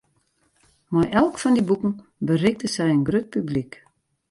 Mei elk fan dy boeken berikte sy in grut publyk.